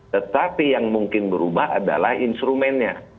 tetapi yang mungkin berubah adalah instrumennya